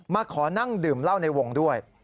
มาขอนั่งดื่มเหล้าในวงด้วย